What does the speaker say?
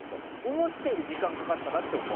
思ったより時間かかったなって思う。